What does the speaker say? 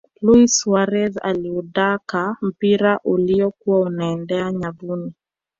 luis suarez aliudaka mpira uliyokuwa unaeenda nyavuni